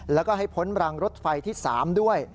แล้วก็ให้พ้นรางรถไฟที่๓ด้วย